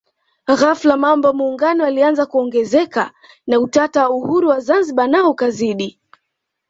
Ghafla mambo ya Muungano yalianza kuongezeka na utata wa uhuru wa Zanzibar nao ukazidi